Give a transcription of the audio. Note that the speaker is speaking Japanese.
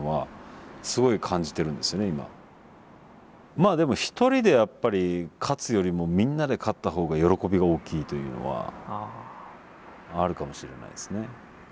まあでも一人でやっぱり勝つよりもみんなで勝った方が喜びが大きいというのはあるかもしれないですね。